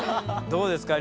どうですか？